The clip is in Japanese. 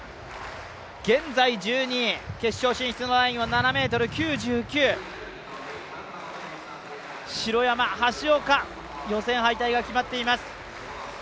現在１２位、決勝進出のラインは７ｍ９９城山、橋岡、予選敗退が決まっています。